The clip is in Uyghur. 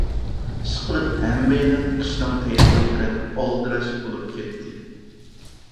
ئىشقىلىپ، ھەممەيلەن قىشنىڭ تەييارلىقى بىلەن ئالدىراش بولۇپ كەتتى.